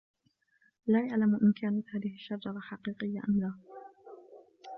لا يعلم إن كانت هذه الشجرة حقيقية أم لا.